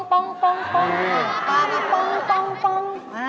ปลากระป้อง